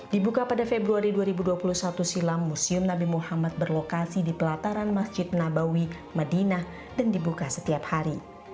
dibuka pada februari dua ribu dua puluh satu silam museum nabi muhammad berlokasi di pelataran masjid nabawi madinah dan dibuka setiap hari